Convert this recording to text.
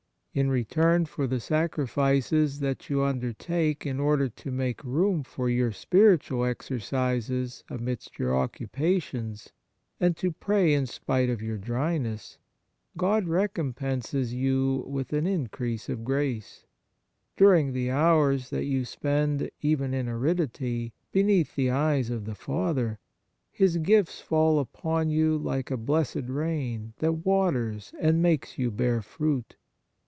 In return for the sacrifices that you 67 On Piety undertake in order to make room for your spiritual exercises amidst your occupations, and to pray in spite of your dryness, God recompenses you with an increase of grace. During the hours that you spend, even in aridity, beneath the eyes of the Father, His gifts fall upon you like a blessed rain that waters and makes you bear fruit.